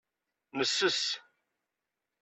Nesses.